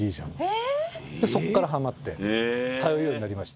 そっからハマって通うようになりました。